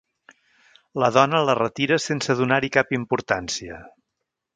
La dona la retira sense donar-hi cap importància.